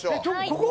ここ？